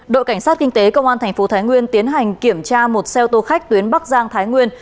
đội cảnh sát kinh tế công an thành phố thái nguyên tiến hành kiểm tra một xe ô tô khách tuyến bắc giang thái nguyên